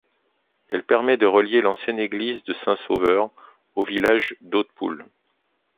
Elle permet de relier l’ancienne église de Saint Sauveur au village d’Hautpoul.